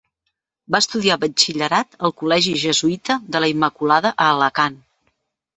Va estudiar batxillerat al col·legi jesuïta de la Immaculada a Alacant.